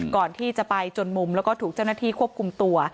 ก่อนที่จะไปจนมุมแล้วก็ถูกเจ้าหน้าที่ควบคุมตัว